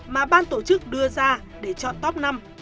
mà ban tổ chức đưa ra để chọn top năm